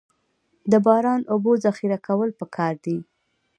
د باران اوبو ذخیره کول پکار دي